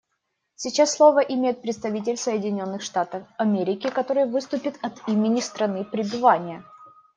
Сейчас слово имеет представитель Соединенных Штатов Америки, который выступит от имени страны пребывания.